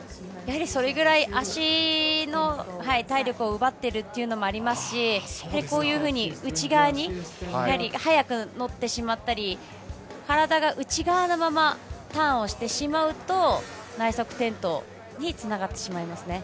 それぐらい足の体力を奪っているのもありますしこういうふうに、内側に早く乗ってしまったり体が内側のままターンをしてしまうと内足転倒につながってしまいます。